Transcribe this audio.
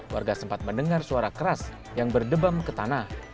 warga sempat mendengar suara keras yang berdebam ke tanah